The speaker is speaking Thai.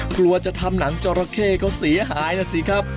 กลัวจะทำหนังจราเข้ก็เสียหายนะสิครับ